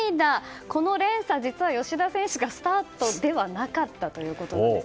この連鎖、実は吉田選手がスタートではなかったということなんです。